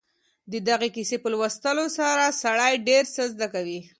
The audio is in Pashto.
د دغې کیسې په لوستلو سره سړی ډېر څه زده کوي.